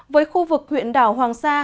với khu vực huyện đảo hoàng sa